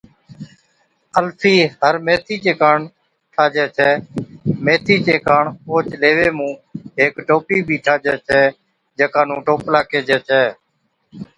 الفِي ھر ميٿِي چي ڪاڻ ٺاھجَي ڇَي۔ ميٿي چي ڪاڻ اوھچ ليوي مُون ھيڪ ٽوپِي بِي ٺاھجي ڇَي جڪا نُون ٽوپلا ڪيھجَي ڇَي